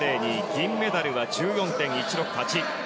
銀メダルは１４．１６８。